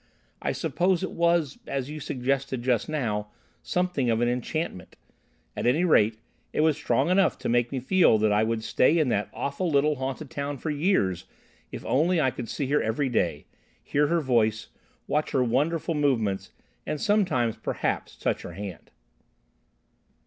"I suppose it was, as you suggested just now, something of an enchantment. At any rate, it was strong enough to make me feel that I would stay in that awful little haunted town for years if only I could see her every day, hear her voice, watch her wonderful movements, and sometimes, perhaps, touch her hand."